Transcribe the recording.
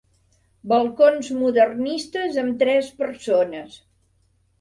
Balcons modernistes amb tres persones.